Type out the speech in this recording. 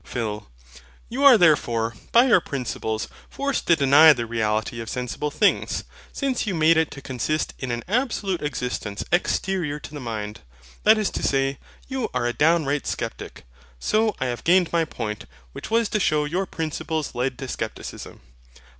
PHIL. You are therefore, by your principles, forced to deny the REALITY of sensible things; since you made it to consist in an absolute existence exterior to the mind. That is to say, you are a downright sceptic. So I have gained my point, which was to shew your principles led to Scepticism.